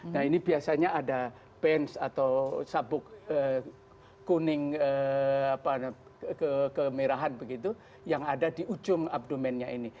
nah ini biasanya ada benz atau sabuk kuning kemerahan begitu yang ada di ujung abdumennya ini